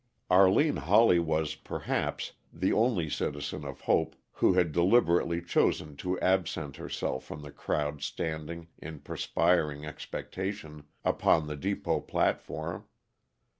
Arline Hawley was, perhaps, the only citizen of Hope who had deliberately chosen to absent herself from the crowd standing, in perspiring expectation, upon the depot platform.